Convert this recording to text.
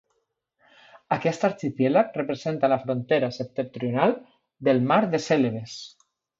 Aquest arxipèlag representa la frontera septentrional del mar de Cèlebes.